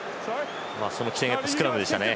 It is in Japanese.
起点はスクラムでしたね。